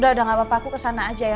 udah gak apa apa aku kesana aja ya